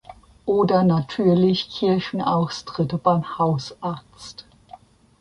Oder natürlich Kirchenaustritte beim Hausarzt.